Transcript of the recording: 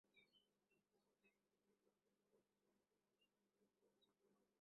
জাতিসংঘের ইউনেস্কো বিভিন্ন দেশের অংশগ্রহণে দি হিউম্যান জিনোম প্রজেক্ট সম্পন্ন করতে বিস্তর ভূমিকা রাখে।